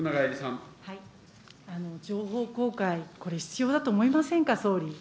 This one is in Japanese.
情報公開、これ、必要だと思いませんか、総理。